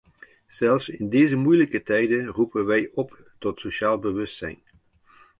Zelfs in deze moeilijke tijden roepen wij op tot sociaal bewustzijn.